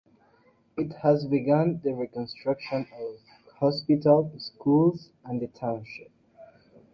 It has begun the reconstruction of hospital, schools and the township.